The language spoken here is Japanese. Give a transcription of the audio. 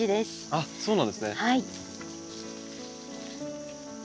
あっそうなんですね。